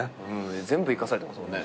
全部生かされてますもんね。